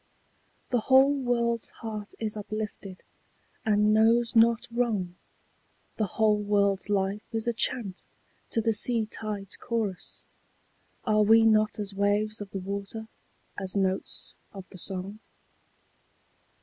The whole world's heart is uplifted, and knows not wrong; The whole world's life is a chant to the sea tide's chorus; Are we not as waves of the water, as notes of the song?